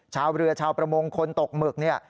ชาวเรือชาวประมงคนตกหมึกเนี่ย